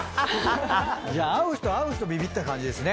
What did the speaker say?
じゃあ会う人会う人ビビった感じですね。